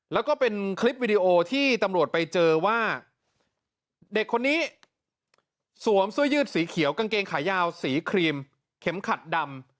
แล้วก็เป็นคลิปวิดีโอที่ตำรวจไปเจอว่าเด็กคนนี้สวมเสื้อยืดสีเขียวกางเกงขายาวสีครีมเข็มขัดดำ